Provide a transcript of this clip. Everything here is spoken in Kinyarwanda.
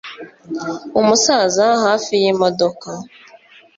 Umusaza hafi yimodoka